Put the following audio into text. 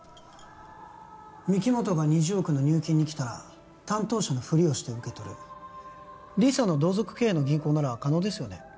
御木本が２０億の入金に来たら担当者のふりをして受け取る李さんの同族経営の銀行なら可能ですよね？